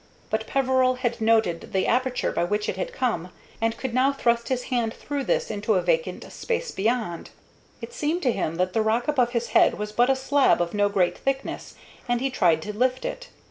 But Peveril had noted the aperture by which it had come, and could now thrust his hand through this into a vacant space beyond. It seemed to him that the rock above his head was but a slab of no great thickness, and he tried to lift it.